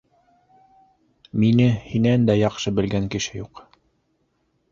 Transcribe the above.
Мине һинән дә яҡшы белгән кеше юҡ.